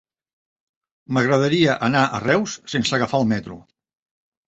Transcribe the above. M'agradaria anar a Reus sense agafar el metro.